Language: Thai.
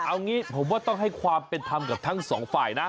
เอางี้ผมว่าต้องให้ความเป็นธรรมกับทั้งสองฝ่ายนะ